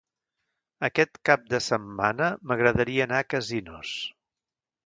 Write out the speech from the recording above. Aquest cap de setmana m'agradaria anar a Casinos.